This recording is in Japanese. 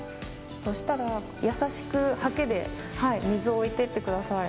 そしたら優しくはけで水を置いてってください。